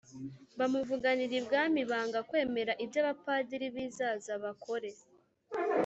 bamuvuganira Ibwami banga kwemera ibyo abapadiri b i Zaza bakore